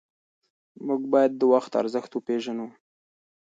موږ باید د وخت ارزښت وپېژنو.